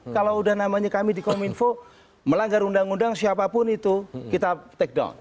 kalau udah namanya kami di kominfo melanggar undang undang siapapun itu kita take down